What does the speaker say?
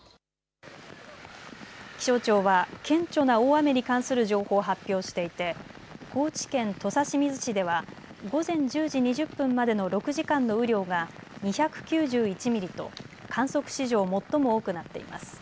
気象庁は顕著な大雨に関する情報を発表していて高知県土佐清水市では午前１０時２０分までの６時間の雨量が２９１ミリと観測史上最も多くなっています。